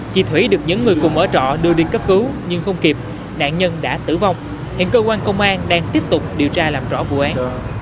chị thủy được những người cùng ở trọ đưa đi cấp cứu nhưng không kịp nạn nhân đã tử vong hiện cơ quan công an đang tiếp tục điều tra làm rõ vụ án